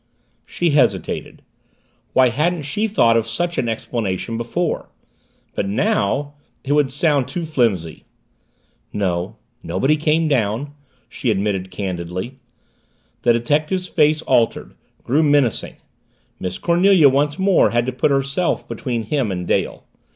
She hesitated. Why hadn't she thought of such an explanation before? But now it would sound too flimsy! "No, nobody came down," she admitted candidly. The detective's face altered, grew menacing. Miss Cornelia once more had put herself between him and Dale.